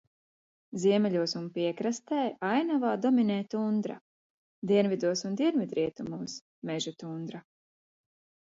Ziemeļos un piekrastē ainavā dominē tundra, dienvidos un dienvidrietumos – mežatundra.